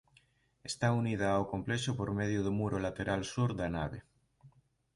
Está unida ao complexo por medio do muro lateral sur da nave.